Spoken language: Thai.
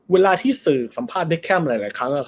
เวลาที่สื่อสัมภาษณ์เบคแคมปหลายครั้ง